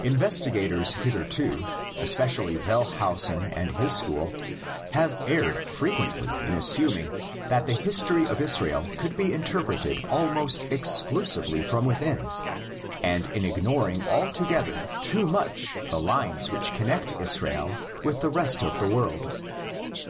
Investigators hitherto, especially Wellhausen and his school, have erred frequently in assuming that the history of Israel could be interpreted almost exclusively from within, and in ignoring altogether too much the lines which connect Israel with the rest of the world.